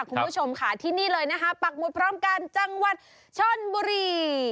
คุณผู้ชมค่ะที่นี่เลยนะคะปักหมุดพร้อมกันจังหวัดชนบุรี